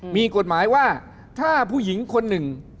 มีกฎหมายว่าถ้าผู้หญิงคนหนึ่ง